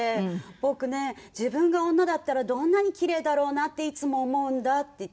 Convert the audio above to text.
「僕ね自分が女だったらどんなにキレイだろうなっていつも思うんだ」って言って。